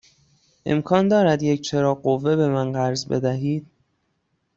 امکان دارد یک چراغ قوه به من قرض بدهید؟